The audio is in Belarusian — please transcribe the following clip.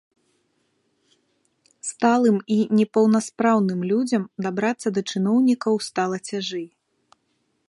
Сталым і непаўнаспраўным людзям дабрацца да чыноўнікаў стала цяжэй.